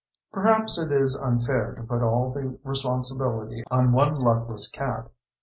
Perhaps it is unfair to put all the responsibility on one luckless cat.